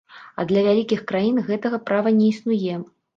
А для вялікіх краін гэтага права не існуе.